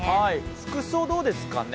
服装どうですかね。